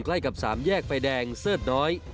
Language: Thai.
ใกล้กับสามแยกไฟแดงเสิร์ชน้อย